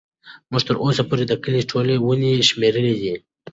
موږ تر اوسه پورې د کلي ټولې ونې شمېرلي دي.